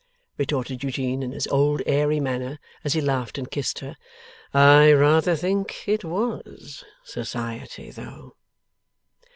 retorted Eugene, in his old airy manner, as he laughed and kissed her, 'I rather think it WAS Society though!